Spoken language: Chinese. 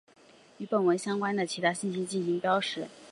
与文本相关的其他信息进行标识。